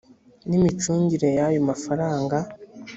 n imicungire y ayo mafaranga